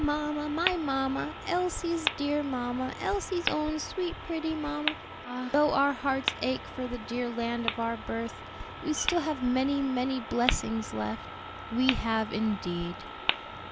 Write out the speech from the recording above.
mamma, my mamma! Elsie's dear mamma! Elsie's own sweet pretty mamma.' Ah, though our hearts ache for the dear land of our birth, we still have many many blessings left." "We have indeed."